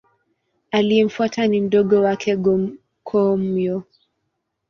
Aliyemfuata ni mdogo wake Go-Komyo.